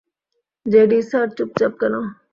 JD sir চুপচাপ কেন?